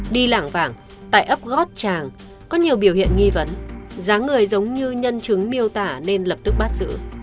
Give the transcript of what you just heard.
đi làng vàng tại ấp gót tràng có nhiều biểu hiện nghi vấn giá người giống như nhân chứng miêu tả nên lập tức bắt giữ